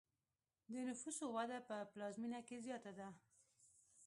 د نفوسو وده په پلازمینه کې زیاته ده.